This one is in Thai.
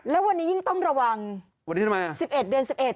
แล้ววันนี้ยิ่งต้องระวัง๑๑เดือน๑๑